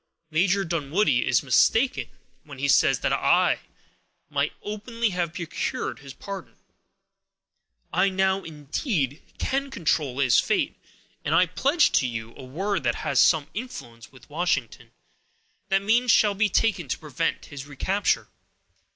Major Dunwoodie is mistaken when he says that I might openly have procured his pardon. I now, indeed, can control his fate, and I pledge to you a word which has some influence with Washington, that means shall be taken to prevent his recapture.